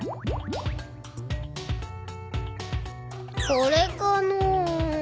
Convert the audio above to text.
これかな？